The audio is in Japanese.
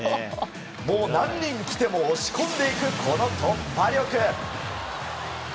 もう何人来ても押し込んでいくこの突破力。